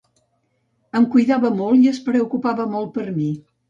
Em cuidava molt i es preocupava molt per mi.